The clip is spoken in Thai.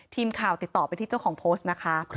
ทีมข่าวติดต่อไปที่เจ้าของโพสต์นะคะ